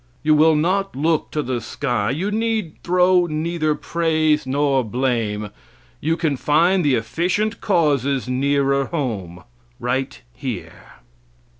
You will not look to the sky; you need throw neither praise nor blame; you can find the efficient causes nearer home right here.